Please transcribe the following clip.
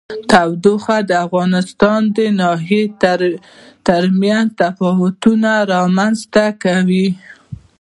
تودوخه د افغانستان د ناحیو ترمنځ تفاوتونه رامنځ ته کوي.